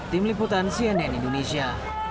tim liputan cnn indonesia